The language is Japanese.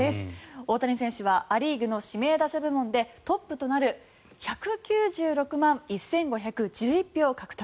大谷選手はア・リーグの指名打者部門でトップとなる１９６万１５１１票を獲得。